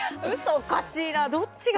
おかしいな。